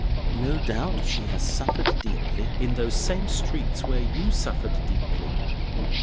No doubt she has suffered deeply in those same streets where you suffered deeply.